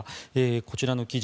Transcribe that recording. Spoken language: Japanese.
こちらの記事